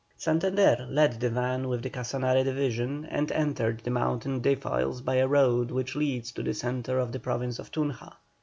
Santander led the van with the Casanare division, and entered the mountain defiles by a road which leads to the centre of the Province of Tunja.